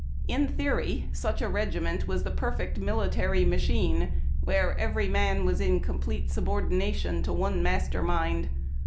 In tlieory, such a regi ment was the j^erfect military machine, where every man was in complete subordination to one master mind.